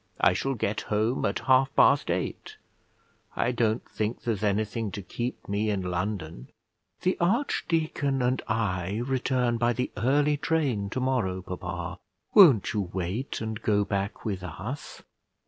I shall get home at half past eight. I don't think there's anything to keep me in London." "The archdeacon and I return by the early train to morrow, papa; won't you wait and go back with us?"